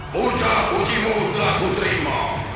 puja pujimu telah kuterima